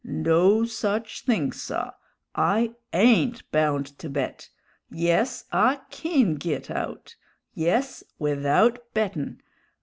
No such thing, saw; I ain't bound to bet! Yes, I kin git out! Yes, without bettin'!